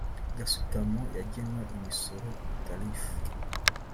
gasutamo yagenwe imisoro tarifu